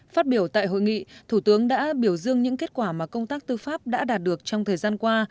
phát biểu tại hội nghị thủ tướng đã biểu dương những kết quả mà công tác tư pháp đã đạt được trong thời gian qua